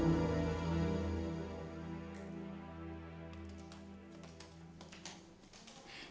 ya udah yuk